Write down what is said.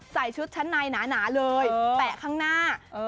คือใส่ชุดชั้นในหนาเลยแตะข้างหน้า